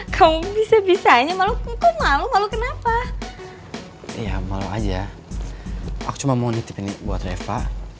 kamu bisa bisanya malu kok malu malu kenapa ya malu aja aku cuma mau nitip ini buat reva